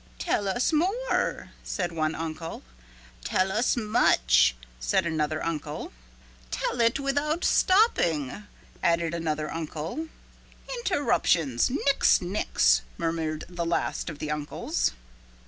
"Tell us more," said one uncle. "Tell us much," said another uncle. "Tell it without stopping," added another uncle. "Interruptions nix nix," murmured the last of the uncles.